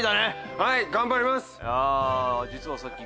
はい頑張ります！